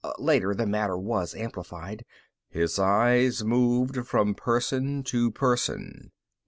Later the matter was amplified. _... his eyes moved from person to person.